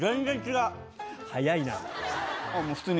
早いな。